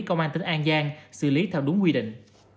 công an tỉnh an giang xử lý theo đúng quy định